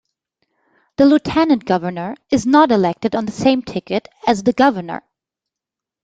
The lieutenant governor is not elected on the same ticket as the governor.